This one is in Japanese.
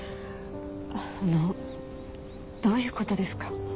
あのどういうことですか？